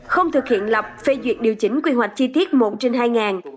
không thực hiện lập phê duyệt điều chỉnh quy hoạch chi tiết một trên hai ngàn